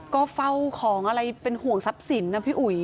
ก็เฝ้าของอะไรเป็นห่วงทรัพย์สินนะพี่อุ๋ย